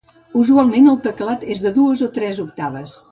Usualment el teclat és de dues o tres octaves.